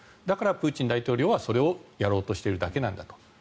だからプーチンはそれをやろうとしているだけだと。